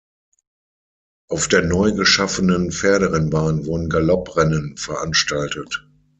Auf der neu geschaffenen Pferderennbahn wurden Galopprennen veranstaltet.